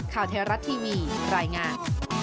ข่าวเทราะทีวีรายงาน